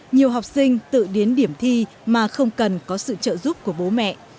nhiều học sinh tự đến điểm thi mà không cần có sự trợ giúp của bố mẹ